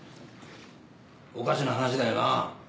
おかしな話だよな。